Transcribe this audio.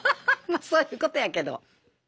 まあそういうことやけど。